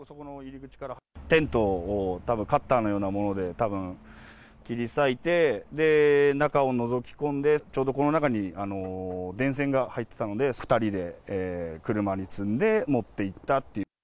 テントをたぶんカッターのようなもので、たぶん切り裂いて、中をのぞき込んで、ちょうどこの中に電線が入っていたので、２人で車に積んで持っていったっていう。